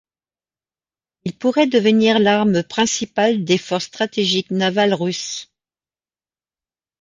Il pourrait devenir l'arme principale des forces stratégiques navales russes.